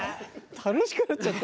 楽しくなっちゃった。